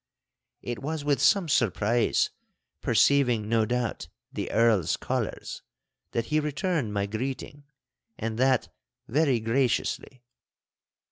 It was with some surprise, perceiving, no doubt, the Earl's colours, that he returned my greeting, and that very graciously.